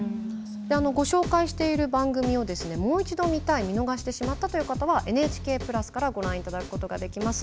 ご紹介している番組をもう一度見たい見逃してしまったという方はＮＨＫプラスからご覧いただくことができます。